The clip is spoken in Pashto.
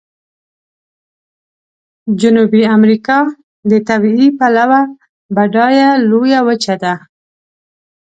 جنوبي امریکا د طبیعي پلوه بډایه لویه وچه ده.